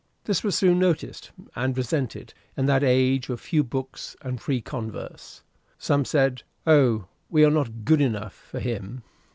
This was soon noticed and resented, in that age of few books and free converse. Some said, "Oh, we are not good enough for him!"